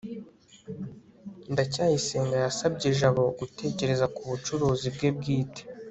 ndacyayisenga yasabye jabo gutekereza ku bucuruzi bwe bwite